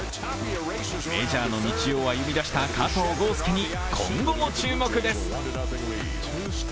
メジャーの道を歩み出した加藤豪将に今後も注目です。